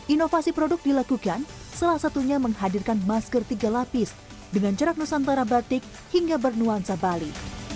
inovasi produk dilakukan salah satunya menghadirkan masker tiga lapis dengan jarak nusantara batik hingga bernuansa bali